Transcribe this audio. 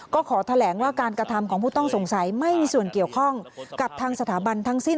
ก็ขอแถลงว่าการกระทำของผู้ต้องสงสัยไม่มีส่วนเกี่ยวข้องกับทางสถาบันทั้งสิ้น